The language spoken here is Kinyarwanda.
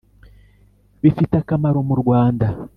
Bifite akamaro mu rwanda